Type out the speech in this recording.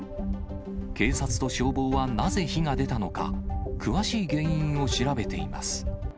警察と消防はなぜ火が出たのか、詳しい原因を調べています。